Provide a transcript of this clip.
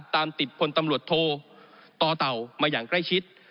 ตามติดพลตำรวจโทต่อเต่ามาอย่างใกล้ชิด